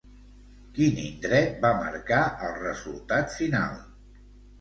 Quin indret va marcar el resultat final?